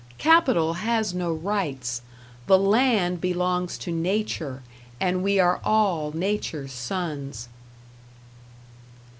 Capital has no rights. The land belongs to Nature, and we are all Nature's sons.